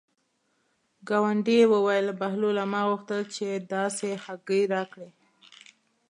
ګاونډي یې وویل: بهلوله ما غوښتل چې داسې هګۍ راکړې.